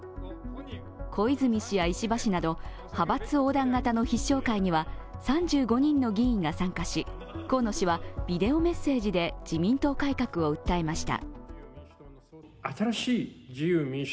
小泉氏や石破氏など、派閥横断型の必勝会には３５人の議員が参加し、河野氏はビデオメッセージで自民党改革を訴えました。